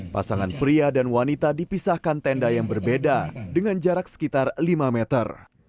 pasangan pria dan wanita dipisahkan tenda yang berbeda dengan jarak sekitar lima meter